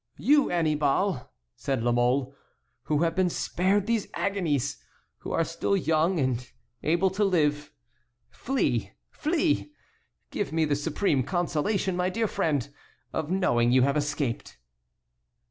"You Annibal," said La Mole, "who have been spared these agonies, who are still young and able to live, flee, flee; give me the supreme consolation, my dear friend, of knowing you have escaped."